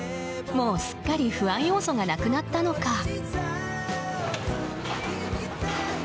もうすっかり不安要素がなくなったのか。